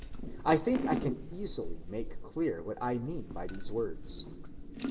I think I can easily make clear what I mean by these words.